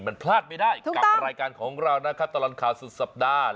มันพลาดไม่ได้กับรายการของเรานะครับตลอดข่าวสุดสัปดาห์